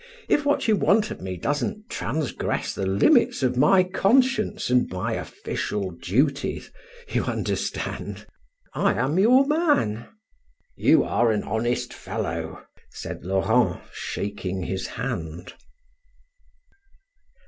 If what you want of me doesn't transgress the limits of my conscience and my official duties, you understand! I am your man." "You are an honest fellow," said Laurent, shaking his hand....